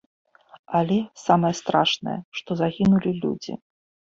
Але самае страшнае, што загінулі людзі.